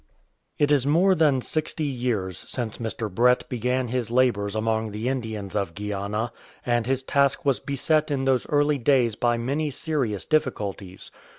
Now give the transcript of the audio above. It is more than sixty years since Mr. Brett began his labours among the Indians of Guiana, and his task was beset in those early days by many serious difficulties.